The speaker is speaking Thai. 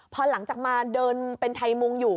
พอหลังจากมาเดินเป็นไทยมุงอยู่